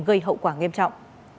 gây hậu quả nghiêm trọng